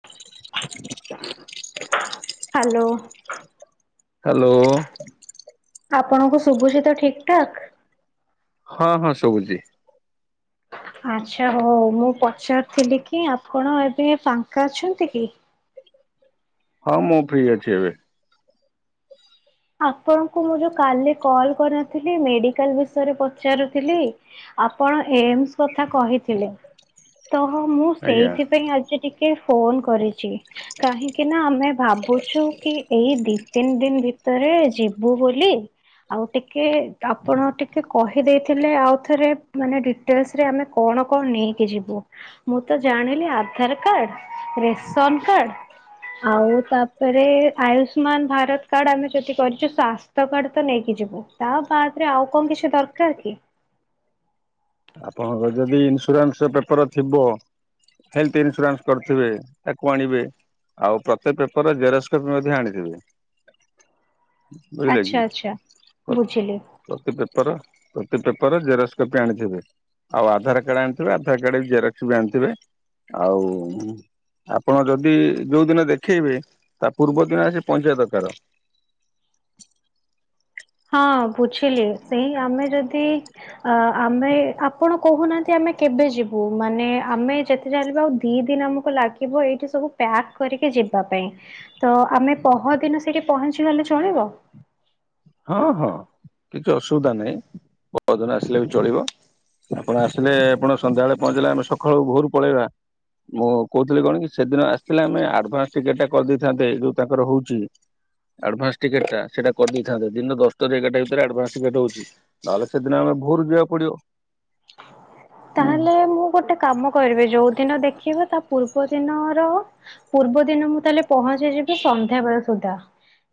[unintelligible] Hello. Hello. ଆପଣଙ୍କୁ ଶୁଭୁଛିିତ ଠିକ୍ ଠାକ୍। ହଁ, ହଁ ସବୁଛି। ଆଚ୍ଛା ହଉ ମୁଁ ପଚାରୁିଥିଲି କି ଆପଣ ଏବେ ଫାଙ୍କା ଅଛନ୍ତି କି? ହଁ, ମୁଁ ଫ୍ରି ଅଛି ଏବେ। ଆପଣଙ୍କୁ ମୁଁ ଯୋଉ କାଲି କଲ୍ କରିନଥିଲି ମେଡିକାଲ୍ ବିଷୟରେ ପଚାରୁଥିଲି ଆପଣ ଏମସ୍ କଥା କହିଥିଲେ ତ ମୁଁ ଆଜ୍ଞା। ସେଇଥିପାଇଁ ଆଜି ଟିକେ କିଏ ଫୋନ କରିଛି। କାହିଁକି ନା ଆମେ ଭାବୁଛୁ କି ଏଇ ଦି ତିନି ଦିନ ଭିତ ତରେ ଯିବୁ ବୋଲି। ଆଉ ଟିକେ ଆପଣ ଟିକେ କହିଦେଇଥିଲେ ଆଉ ଥରେ ମାନେ ଡ଼ିଟେଲସ୍ ରେ ଆମେ କଣ କଣ ନେଇକି ଯିବୁ। ମୁଁ ତ ଜାଣିଲି ଆଧାର କାର୍ଡ, ରେସନ କାର୍ଡ ଆଉ ତାପରେ ଆୟୁଷ୍ମାନ ଭାରତ କାର୍ଡ ଆମେ ଯଦି କରିଛୁ ସ୍ଵାସ୍ଥ୍ୟ କାର୍ଡ ତ ନେଇକି ଯିବୁ ତା ବାଦରେ ଆଉ କଣ କିଛି ଦରକାର କି? ଆପଣଙ୍କର ଯଦି ଇନ୍ସୁରାନ୍ସ ପେପର ଥିବ ହେଲଥ ଇନ୍ସୁରାନ୍ସ କରିଥିବେ ତାକୁ ଆଣିବେ। ଆଉ ପ୍ରତ୍ୟେକ ପେପରରେ ଜେରକ୍ସ କପି ମଧ୍ୟ ଆଣିଥିବେ। ବୁଝିଲେ ଆଚ୍ଛା କି? ଆଚ୍ଛା ବୁଝିଲି। ପ୍ରତି ପେପର, ପ୍ରତି ପେପରରେ ଜେରକ୍ସ କପି ଆଣିଥିବେ। ଆଉ ଆଧାର କାର୍ଡ ଆଣିଥିବେ, ଆଧାର କାର୍ଡ ଜେରାକ୍ସ ବି ଆଣିଥିବେ ଆଉ ଆପଣ ଯଦି ଯୋଉ ଦିନ ଦେଖେଇବେ ତା ପୂର୍ବ ଦିନ ଆସି ପହଞ୍ଚିିବା ଦରକାର। ହଁ ବୁଝିଲି ସେଇ ଆମେ ଯଦି ଅ ଆମେ ଆପଣ କହୁନାହାନ୍ତି ଆମେ କେବେ ଯିବୁ ମାନେ ଆମେ ଯେତେ ଯାହେବି ଆଉ ଦି ଦିନ ଆମକୁ ଲାଗିବ ଏଇଠି ସବୁ ପ୍ୟାକ୍ କରିକି ଯିବା ପାଇଁ। ତ ଆମେ ପହଦିନ ସେଇଠି ପହଞ୍ଚିଗଲେ ଚଳିବ? ହଁ, ହଁ କିଛି ଅସୁବିଧା ନାହିଁ ପରଦିନ ଆସିଲେ ବି ଚଳିବ। ଆପଣ ଆସିଲେ ଆପଣ ସନ୍ଧ୍ୟାବେଳେ ପହଞ୍ଚିଲେ ଆମେ ସକାଳୁ ଭୋରୁ ପଳେଇବା। ମୁଁ କହୁଥିଲି କଣ କି ସେଦିନ ଆସିଥିଲେ ଆମେ ଆଡଭାନ୍ସ ଟିକେଟ ଟା କରିଦେଇଥାନ୍ତେ ଯୋଉ ତାଙ୍କର ହଉଛି। ଆଡ଼ଭାନ୍ସ ଟିକେଟ ଟା ସେଟା କର ଦେଇ ଥାନ୍ତେ ଦିନ ଦଶଟାରେ ଏଗାରଟା ଭିତରେ ଆଡ଼ଭାନ୍ସ ଟିକେ୍ଟ ହଉଛି ନହେଲେ ସେଦିନ ଆମେ ଭୋରୁ ଯିବାକୁ ପଡି଼ବ। [inaudible] ତାହେଲେ ମୁଁ ଗୋଟେ କାମ କରିବେ ଯୋଉ ଦିନ ଦେଖିବେ ତା ପୂର୍ବ ଦିନର, ପୂର୍ବ ଦିନ ମୁଁ ତାହେଲେ ପହଞ୍ଚିଯିବି ସନ୍ଧ୍ୟା ବେଳ ସୁଦ୍ଧା।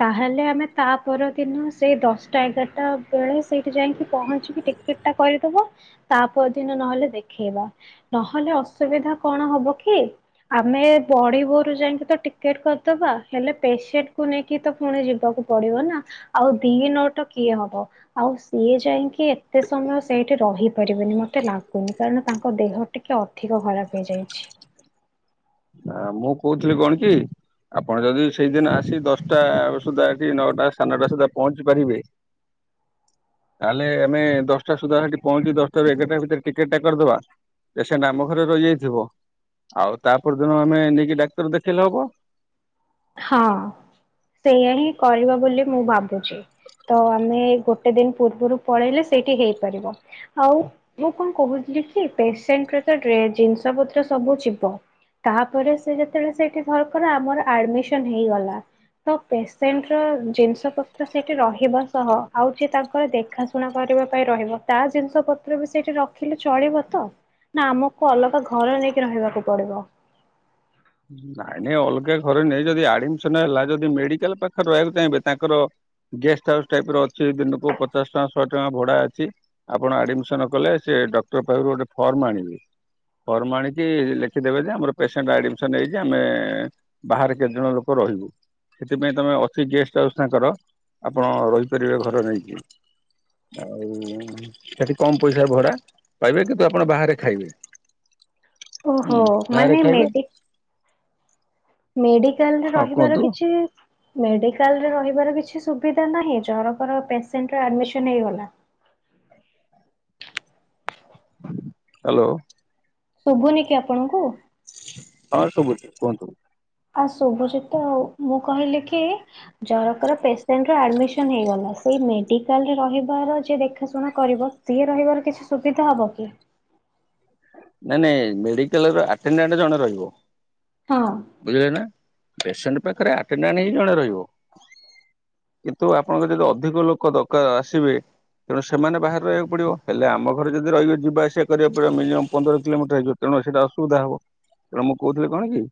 ତାହେଲେ ଆମେ ତା ପରଦିନ ସେଇ ଦଶଟା ଏଗାରଟା ବେଳେ ସେଇଠି ଯାଇକି ପହଞ୍ଚିକି ଟିକେଟ ଟିକେ୍ଟଟା କରିଦବ ତା ପର ଦିନ ନହେଲେ ଦେଖେଇବା। ନହେଲେ ଅସୁବିଧା କଣ ହବ କି? ଆମେ ବଡିି଼ଭୋରୁ ଯାଇକି ତ ଟିକେ୍ଟ କରିଦବା ହେଲେ ପେସେଣ୍ଟକୁ ନେଇକି କି ତ ପୁଣି ଯିବାକୁ ପଡି଼ବ ନା ଆଉ ଦି ନଟ କିଏ ହବ ଆଉ ସିଏ ଯାଇକି କି ଏତେ ସମୟ ସେଇଠି ରହିପାରିବିନି ମୋତେ ଲାଗୁନି କାରଣ ତାଙ୍କ ଦେହ ଟିକେ ଅଧିକ ଖରାପ ହେଇଯାଇଛି। ଆଁ ମୁଁ କହୁଥିଲି କଣ କି? ଆପଣ ଯଦି ସେଇଦିନ ଆସି ଦଶଟା ସୁଦ୍ଧା ଏଠି ନଅଟା ସାଢେ ନଟା ସୁଦ୍ଧା ପହଞ୍ଚି ପାରିବେ [inaudible] ତାହେଲେ ଆମେ ଦଶଟା ସୁଦ୍ଧା ସେଠି ପହଞ୍ଚି ଦଶଟାରୁ ଏଗାରଟା ଭିତରେ ଟିକେଟଟା କରିଦବା। ପେସେଣ୍ଟ ଆମ ଘରେ ରହିଯାଇଥିବ ଆଉ ତାପର ଦିନ ଆମେ ନେଇକି ଡାକ୍ତର ଦେଖେଇଲେ ହବ। ହଁ ସେଇଆ ହିଁ କରିବ ବୋଲି ମୁଁ ଭାବୁଛି। ତ ଆମେ ଗୋଟେ ଦିନ ପୂର୍ବରୁ ପଳେଇଲେ ସେଇଠି ହେଇପାରିବ। ଆଉ ମୁଁ କଣ କହୁଥିଲିକି ପେସେଣ୍ଟରେ ତ ଡ଼େ ଜିନିଷ ପତ୍ର ସବୁ ଯିବ। ତାପରେ ସେ ଯେତେବେଳେ ସେଠି ଧରକର ଆମର ଆଡ଼ମିଶନ୍ ହେଇଗଲା ପେସେଣ୍ଟର ଜିନିଷ ପତ୍ର ସେଠି ରହିବା ସହ ଆଉ ଯିଏତାଙ୍କ ଦେଖାଶୁଣା କରିବା ପାଇଁ ରହିବ ତା ଜିନିଷ ପତ୍ର ବି ସେଇଠି ରଖିଲେ ଚଳିବ ତ? ନା ଆମକୁ ଅଲଗା ଘର ନେଇକି ରହିବାକୁ ପଡିବ। ନାଇଁ ନାଇଁ ଅଲଗା ଘରେ ନାଇ ଯଦି ଆଡମିସନ ହେଲା ଯଦି ମେଡିକାଲ ପାଖରେ ରହିବାକୁ ଚାହିଁବେ ତାଙ୍କର ଗେଷ୍ଟ ହାଉସ୍ ଟାଇପ ର ଅଛି ଦିନକୁ ପଚାଶ ଟଙ୍କା ଶହେ ଟଙ୍କା ଭଡା ଅଛି। ଆପଣ ଆଡିମିସନ କଲେ ସେ ଡକ୍ଟର ପାଖରୁ ଗୋଟେ ଫର୍ମ ଆଣିବେ। ଫର୍ମ ଆଣିକି ଲେଖିଦେବେ ଯେ ଆମର ପେସେଣ୍ଟ ଆଡି ନେଇଯା ଆମେ ବାହାରେ କେତେ ଜଣ ଲୋକ ରହିବୁ। ସେଥିପାଇଁ ତମେ ଅଛି ଗେଷ୍ଟ ହାଉସ୍ ତାଙ୍କର ଆପଣ ରହିପାରିବେ ଘର ନେଇକି। ଆଉ ସେଠି କମ ପଇସା ଭଡା ପାଇବେ କିନ୍ତୁ ଆପଣ ବାହାରେ ଖାଇବେ। ଓହୋ ହୁଁ ବାହାରେ ମାନେ ଖାଇବେ ମେଡି ମେଡିକାଲରେ ହଁ ରହିବାର କୁହନ୍ତୁ କିଛି ମେଡ଼ିକାଲରେ ରହିବାର କିଛି ସୁବିଧା ନାହିଁ ଜରଫର ପେସେଣ୍ଟର ଆଡ୍ମିସନ୍ ହେଇଗଲା। ହାଲୋ। ଶୁବୁନି କି ଆପଣଙ୍କୁ? ହଁ ସୁବୁଚି କୁଅନ୍ତୁ। ଆ ଶୁବୁଚି ତ ଆଉ ମୁଁ କହିଲି କି ଜରକର ପେସେଣ୍ଟ ଆଡ୍ମିସନ ହେଇଗଲା ସେଇ ମେଡିକାଲରେ ରହିବାର ଯିଏ ଦେଖାଶୁଣା କରିବ ସିଏ ରହିବାର କିଛି ସୁବିଧା ହବ କି? ନାଇଁ ନାଇଁ ମେଡିକାଲର ଆଟେଡ଼ାଣ୍ଡ ଜଣେ ରହିବ ହଁ। ବୁଝିଲେ ନା। ପେସେଣ୍ଟ ପାଖରେ ଆଟେଡ଼ାଣ୍ଡ ହିଁ ଜଣେ ରହିବ। କିନ୍ତୁ ଆପଣଙ୍କର ଯଦି ଅଧିକ ଲୋକ ଦରକାର ଆସିବେ। ତେଣୁ ସେମାନେ ବାହାରେ ରହିବାକୁ ପଡ଼ିବ। ହେଲେ ଆମ ଘରେ ଯଦି ରହିବେ ଯିବା ଆସିବା କରିବାକୁ ପଡ଼ିବ ମିନିୟମ୍ ପନ୍ଦର କିଲୋମିଟର ହେଇଯିବ ତେଣୁ ସେଟା ଅସୁବିଧା ହବ। ତେଣୁ ମୁଁ କହୁଥିଲି କଣ କି?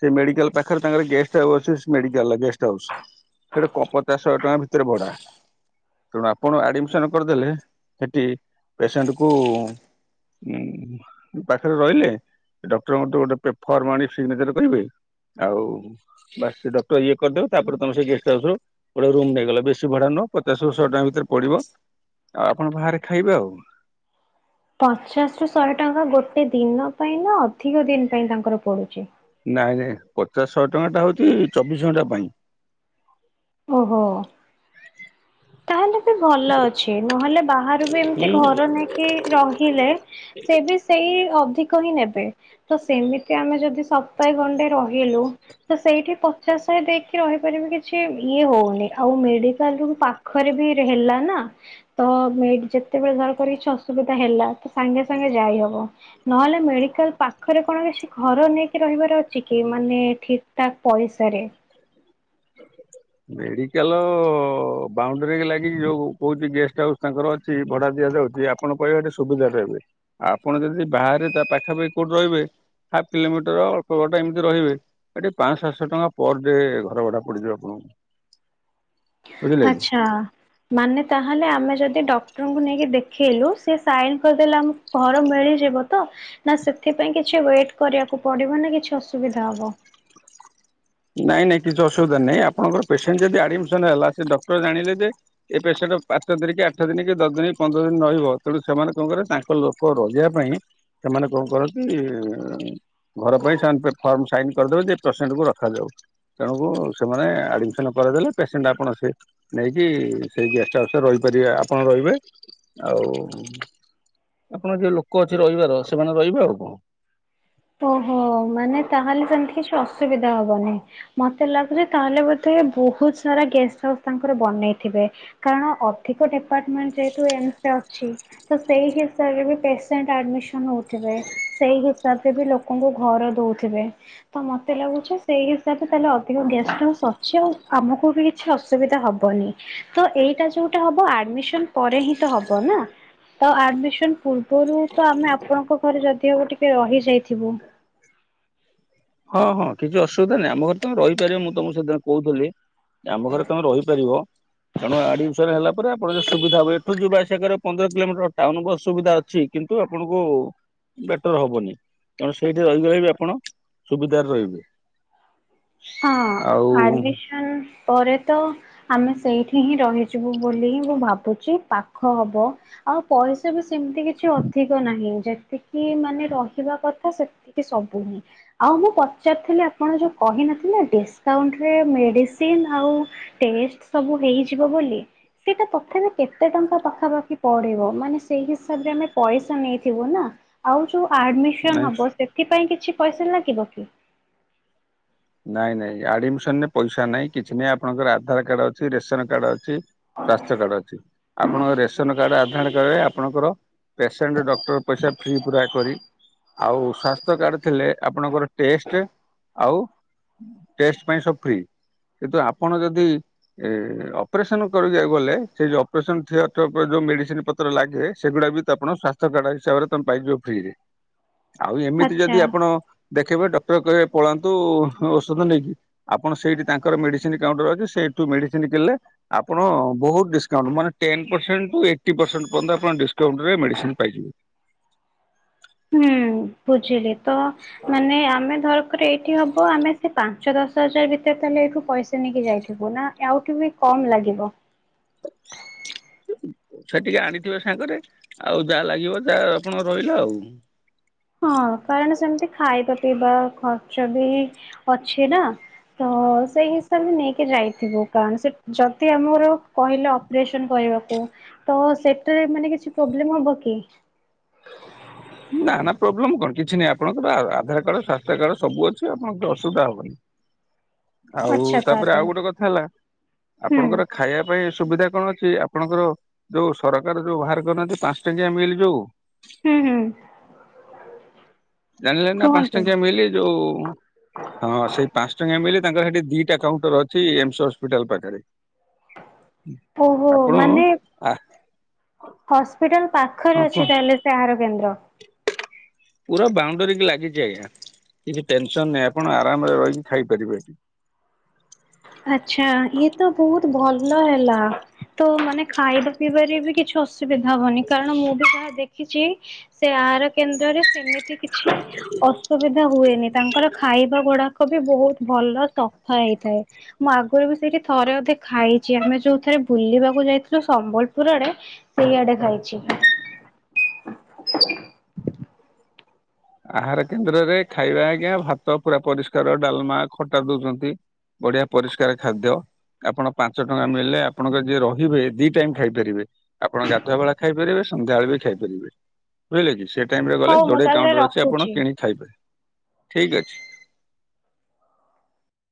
ସେ ମେଡିକାଲ ପାଖରେ ତାଙ୍କର ଗେଷ୍ଟ ଆଉସ୍ ଅଛି। ମେଡିକାଲ ଗେଷ୍ଟ ହାଉସ୍ ସେଟା କ ପଚାଶ ଶହେ ଟଙ୍କା ଭିତରେ ଭଡା। ତେଣୁ ଆପଣ ଆଡିମିସନ କରିଦେଲେ ସେଠି ପେସେଣ୍ଟ କୁ ହୁଁ। ପାଖରେ ରହିଲେ ଡକ୍ଟରଙ୍କଠୁ ଗୋଟେ ପେ ଫର୍ମ ଆଣି ସିଗ୍ନେଚର କରିବେ ଆଉ ବାସ ସେ ଡକ୍ଟର ଇଏ କରିଦେବେ ତାପରେ ତମେ ସେ ଗେଷ୍ଟ ହାଉସ ରୁ ଗୋଟେ ରୁମ ନେଇଗଲ ବେଶୀ ଭଡା ନୁହଁ ପଚାଶରୁ ଶହେ ଟଙ୍କା ଭିତରେ ପଡିବ ଆଉ ଆପଣ ବାହାରେ ଖାଇବେ ଆଉ। ପଚାଶରୁ ଶହେ ଟଙ୍କା ଗୋଟେ ଦିନ ପାଇଁ ନା ଅଧିକ ଦିନ ପାଇଁ ତାଙ୍କର ପଡ଼ୁଚି। ନାଇଁ ନାଇଁ ପଚାଶ ଶହ ଟଙ୍କା ଟା ହଉଚି ଚବିଶ ଘଣ୍ଟା ପାଇଁ। ଓହୋ। ତାହେଲେ ସେ ଭଲ ଅଛି ନହେଲେ ବାହାରୁ ବି ଏମତି ହୁଁ ଘର ନେଇକି ରହିଲେ ସେ ବି ସେଇ ଅଧିକ ହିଁ ନେବେ। ତ ସେମିତି ଆମେ ଯଦି ସପ୍ତାହେ ଗଣ୍ଡେ ରହିଲୁ ତ ସେଇଠି ପଚାଶ ଶହେ ଦେଇକି ରହିପାରିବି କିଛି ଇଏ ହଉନି ଆଉ ମେଡିକାଲ ରୁ ପାଖ ଖରେ ବି ରେ ହେଲା ନା। ତ ଯେତେବେଳେ ଧର କରି କିଛି ଅସୁବିଧା ହେଲା ତ ସାଙ୍ଗେ ସାଙ୍ଗେ ଯାଇହବ। ନହେଲେ ମେଡିକାଲ ପାଖରେ କଣ କିଛି ଘର ନେଇକି ରହିବାର ଅଛି କି ମାନେ ଏଠି ତା ପଇସାରେ। ମେଡିକାଲ ବାଉଣ୍ଡରୀ ଲାଗିକି ଯୋଉ କୋଉଠି ଗେଷ୍ଟ ହାଉସ୍ ତାଙ୍କର ଅ ଛି ଭଡ଼ା ଦିଆଯାଉଛି। ଆପଣ ପାଇବେ ସେଠି ସୁବିଧାରେ ପାଇବେ। ଆପଣ ଯଦି ବାହାରେ ତା ପାଖାପାଖି କୋଉଠି ରହିବେ। ହାଫ୍ କିଲୋମିଟର ଅଳ୍ପ ବାଟ ଏମିତି ରହିବେ ଏଟି ପାଞ୍ଚ ସାତଶହ ଟଙ୍କା ପର ଡେ ଘର ଭଡ଼ା ପଡି଼ଯିବ ଆପଣଙ୍କୁ। ବୁଝିଲେ କି? ଆଚ୍ଛା। ମାନେ ତାହେଲେ ଆମେ ଯଦି ଡକ୍ଟରଙ୍କୁ ନେଇକି ଦେଖେଇଲୁ। ସେ ସାଇନ କରିଦେଲେ ଆମକୁ ଘର ମିଳିଯିବ ତ ନା ସେଥିପାଇଁ କିଛି ୱେଟ୍ କରିବାକୁ ପଡି଼ବ ନା କିଛି ଅସୁବିଧା ହବ? ନାଇଁ ନାଇଁ କିଛି ଅସୁବିଧା ନାଇଁ ଆପଣଙ୍କର ପସେଣ୍ଟ ଯଦି ଆଡିମିସନ ହେଲା ସେ ଡକ୍ଟର ଜାଣିଲେ ଯେ ଏ ପେସେଣ୍ଟ ପାଞ୍ଚ ଦିନି କି ଆଠ ଦିନି କି ଦଶ ଦିନି କି ପନ୍ଦର ଦିନି ରହିବ ତେଣୁ ସେମାନେ କଣ କିରିବେ ତାଙ୍କ ଲୋ ଲୋକ ରହିବା ପାଇଁ ସେମାନେ କଣ କରନ୍ତି ଘର ପାଇଁ ସେ ଫର୍ମ ସାଇନ କରିଦେବେ ଯେ ଏ ପ୍ରସେଣ୍ଟ କୁ ରଖ ରଖାଯାଉ ତେଣୁ ସେମାନେ ଆଡିମିସନ କରିଦେଲେ ପେସେଣ୍ଟ ଆପଣ ସେ ନେଇକି ସେଇ ଗେଷ୍ଟ ଆାଉସରେ ରହିପାରିବେ। ଆପଣ ରହିବେ ଆଉ ଆପଣ ଯୋଉ ଲୋକ ଅଛି ରହିବାର ସେମାନେ ରହିବେ ଆଉ କଣ। ଓହୋ, ମାନେ ତାହେଲେ ସେମିତି କିଛି ଅସୁବିଧା ହବନି। ମତେ ଲାଗୁଛି ତାହେଲେ ବୋଧେ ବହୁତ ସାରା ଗେଷ୍ଟ ହାଉସ୍ ତାଙ୍କର ବନେଇଥିବେ। କାରଣ ଅଧିକ ଡିପାର୍ଟମେଣ୍ଟ ଯେହେତୁ ଏମସ୍ ର। ଛି ତ ସେଇ ହିସାବରେ ବି ପେସେଣ୍ଟ ଆଡମିସନ ହଉଥିବେ। ସେଇ ହିସାବରେ ବି ଲୋକ ଲୋକଙ୍କୁ ଘର ଦଉଥିବେ ତ ମତେ ଲାଗୁଛି ସେଇ ହିସାବରେ ତାହେଲେ ଅଧିକ ଗ୍ୟାସ୍ ଛି ଆଉ। ଆମକୁ ବି କିଛି ଅସୁବିଧା ହବନି। ତ ଏଇଟା ଯୋଉଟା ହବ ଆଡମିସନ ପରେ ହିଁ ତ ହବ ନା। ତ ଆଡମିନସ ପୁର୍ ପରୁ ତ ଆମେ ଆପଣଙ୍କ ଘରେ ଯଦି ହବ ଟିକେ ରହିଯାଇଥିବୁ। ହଁ ହଁ କିଛି ଅସୁବିଧା ନାହିଁ। ଆମ ଘରେ ତ ରହିପାରିବ, ମୁଁ ତମକୁ ସେଦିନ କହୁଥିଲି ଆମ ଘରେ ତମେ ରହିପାରିବ। ତେଣୁ ଆଡମିସନ ହେଲା ପରେ ଆପଣ ଯ ସୁବିଧ ହବ ଏଠୁ ଯିବା ଆସିବା କରିବ। ପନ୍ଦର କିଲୋମିଟର ଟାଉନ ବସ ସୁବିଧା ଅଛି। କିନ୍ତୁ ଆପଣଙ୍କୁ ବେଟର ହବନି, ତେଣୁ ସେଇଠି ରହିଗଲେ ବି ଆପଣ ସୁବିଧାରେ ରହିବେ। ହଁ ଆଉ ଆଡମିସନ ପରେ ତ ଆମେ ସେଇଠି ହିଁ ରହି ଯିବୁ ବୋଲି ମୁଁ ଭାବୁଛି ପାଖ ହବ। ଆଉ ପଇସା ବି ସେମିତି କିଛି ଅଧିକ ନାହିଁ। ଯେତିକି ମାନେ ରହିବା କଥା ସବୁ ହିଁ ଆଉ ମୁଁ ପଚାରିଥିଲି ଆପଣ ଯୋଉ କହିନ ଡିସକାଉଟରେ ମେଡିସିନ ଆଉ ଟେଷ୍ଟ୍ ସବୁ ହେଇଯିବ ବୋଲି। ସେଇଟା ତଥାପି କେତେ ଟଙ୍କା ପାଖାପାଖି ପଡ଼ିବ? ମାନେ ସେଇ ହିସାବରେ ଆମେ ପଇସା ନେଇଥିବୁ ନା। ଆଉ ଯୋଉ ଆଡମିସନ ନାଇଁ ହବ ସେଥିପାଇଁ କିଛି ପଇସା ଲାଗିବ କି? ନାଇଁ ନାଇଁ ଆଡମିସନରେ ପଇସା ନାଇଁ କିଛି ନାହିଁ। ଆପଣଙ୍କର ଆଧାର କାର୍ଡ ଅଛି ରେସନ କାର୍ଡ ଅଛି। ସ୍ଵାସ୍ଥ୍ୟ କାର୍ଡ ଅଛି। ଆପଣଙ୍କ ରେସନ କାର୍ଡ ଆଧାର କାର୍ଡ ରେ ଆପଣଙ୍କର ପେସେଣ୍ଟ ଡକ୍ଟର ପଇସା ଫ୍ରି ପୁରା କରି ଆଉ ସ୍ବସ୍ଥ୍ୟ କାର୍ଡ଼ ଥିଲେ, ଆପଣଙ୍କର ଟେଷ୍ଟ ଆଉ ଟେଷ୍ଟ୍ ପାଇଁ ସବୁ ଫ୍ରି କିନ୍ତୁ ଆପଣ ଯଦି ଏ ଅପରେସନ କରିଗାକୁ ଗଲେ ସେ ଯୋଉ ଅପରେସନ ର ଯୋଉ ମେଡିସିନ ପ ତର ଲାଗେ ସେଗୁଡା ବି ତ ଆପଣ ସ୍ବସ୍ଥ୍ୟ କାର୍ଡ ହିସାବରେ ତମେ ପାଇଯିବ ଫ୍ରି ରେ। ଆଉ ଏମିତି ଯଦି ଆଚ୍ଛା। ଆପଣ ଦେଖେଇବେ, ଡକ୍ଟର କହିବେ ପଳାନ୍ତୁ ଔଷଧ ନେଇକି। ଆପଣ ସେଇଠି ତାଙ୍କର ମେଡିସିନ କାଉଣ୍ଟର ଅଛି ସେଇଠୁ ମେଡିସିନ କିଣିଲେ ଆପଣ ବହୁତ ଡିସ୍କାଉଣ୍ଟ ମାନେ ten percent to eighty percent ପର୍ୟ୍ଯନ୍ତ ଡିସ୍କାଉଣ୍ଟ ରେ ମେଡିସିନ୍ ପାଇିଯିବେ। ହୁଁ ବୁଝିଲି ତ ମାନେ ଆମେ ଧରକର ଏଇଠି ହବ ଆମେ ସେ ପାଞ୍ଚ ଦଶ ହଜାର ଭିତରେ ତାହେଲେ ଏଇଠୁ ପଇସା ନେଇକି ଯାଇଥିବୁ ନା। ଆଉ କି ବି କମ ଲାଗିବ। ସେଠିକେ ଆଣିଥିବେ ସାଙ୍ଗରେ ଆଉ ଯାହା ଲାଗିବ ଯାହା ଆପଣ ରହିଲା ଆଉ। ହଁ କାରଣ ସେମିତି ଖାଇବା ପିଇବା ଖର୍ଚ୍ଚ ବି ଅଛି ନା। ତ ସେଇ ହିସାବରେ ନେଇକି ଯାଇଥିବୁ କାରଣ ସେ ଯଦି ଆମର କହିଲ ସ କରିବାକୁ ତ ସେଟାରେ ମାନ କିଛି ପ୍ରୋବ୍ଲେମ ହବ କି? ନା ନା ପ୍ରୋବ୍ଲେମ୍ କଣ କିଛି ନାହିଁ ଆପଣଙ୍କର ଆଧାର କାର୍ଡ ସ୍ୱାସ୍ଥ୍ୟ କାର୍ଡ ସବୁ ଅଛି ଆପଣଙ୍କ ଅସୁବିଧା ହବନି। ହ ଆଉ ଆଚ୍ଛା ତାପରେ ତାହେଲେ ଆଉ ଗୋଟେ କଥା ହେଲା ହୁଁ ଆପଣଙ୍କର ଖାଇବା ପାଇଁ ସୁବିଧା କଣ ଛି ଆପଣଙ୍କର ଯୋଉ ସରକାର ଯୋଉ ବାହାର କରନାହାନ୍ତି ପାଞ୍ଚ ଟାଙ୍କିଆ ମିଲ୍ ଯୋଉ ହୁଁ ହୁଁ। ଜାଣିଲେ ନା ପାଞ୍ଚ କୁହନ୍ତୁ। ଟଙ୍କିଆ ମିିଲି ଯୋଉ ହଁ ସେଇ ପାଞ୍ଚ ଟଙ୍କା ମିିଲି ତାଙ୍କର ସେଠି ଦିଟା କାଉଣ୍ଟର ଅଛି ଏମସ ହସ୍ପିଟାଲ ପାଖରେ ହୁଁ ଓହୋ ମାନେ ହସ୍ପିଟାଲ ହଁ ପାଖରେ କୁହ ଅଛି ତାହେଲେ ଆହାର କେନ୍ଦ୍ର ପୁରା ବାଉଣ୍ଡରୀ କି ଲାଗିଛି ଆଜ୍ଞା କିଛି ଟେନସନ ନାହିଁ ଆପଣ ଆରାମରେ ରହିକି ଖାଇପାରିବେ ଏଠି। ଆଛା ଇଏ ତ ବହୁତ ଭଲ ହେଲା। ତ ମାନେ ଖାଇବା ପିଇବାରେ ବି କିଛି ଅସୁବିଧା ହବନି କାରଣ ମୁଁ ବି ଯାହା ଦେଖିଛି ସେ ଆହାର କେନ୍ଦ୍ରରେ ସେମିତି କିଛି ଅ ସୁବିଧା ହୁଏନି ତାଙ୍କର ଖାଇବା ଗୁଡାକ ବି ବହୁତ ଭଲ ସଫା ହେଇଥାଏ। ମୁଁ ଆଗରୁ ବି ସେଇଠି ଥରେ ଅଧିକ ଖାଇଛି ଆମେ ଯୋଉଥରେ ବୁଲିବାକୁ ଯାଇଥିଲୁ ସମ୍ବଲପୁର ଆଡ଼େ ସେଇଆଡେ ଖାଇଛି। ଆହାର କେନ୍ଦ୍ରରେ ଖାଇବା ଆଜ୍ଞା ଭାତ ପୁରା ପରିଷ୍କାର ଡାଲମା ଖଟା ଦଉଛନ୍ତି। ବଢିଆ ପରିଷ୍କାର ଖାଦ୍ୟ। ଆପଣ ପାଞ୍ଚ ଟଙ୍କା ମିଳିଲେ ଆପଣଙ୍କ ଯିଏ ରହିବେ ଦି ଟାଇମ ଖାଇପାରିବେ। ଆପଣ ଗାଧୁଆବେଳା ଖାଇପାରିବେ ସନ୍ଧ୍ୟାବେଳେ ବି ଖାଇପାରିବେ। ବୁଝିଲେ କି ସେ ଟାଇମ୍ ରେ ଗଲେ ହଉ ମୁଁ ଯୋଡ଼ିଏ ତାହେଲେ କାଉଣ୍ଟର ଅଛି ଆପଣ ରଖୁଛି। କିଣିିକି ଖାଇବେ ଠିକ୍ ଅଛି।